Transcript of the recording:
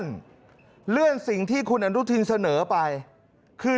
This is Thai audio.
ขอเลื่อนสิ่งที่คุณหนูรู้สึก